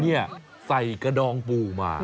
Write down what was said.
นี่ใส่กระดองปูมา